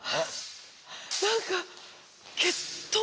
何か決闘？